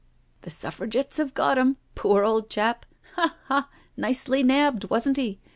"The Suffragettes have got 'im. Poor old chap I Ha, hat nicely nabbed, wasn't he?"